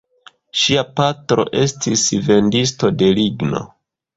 Ŝia patro estis vendisto de ligno.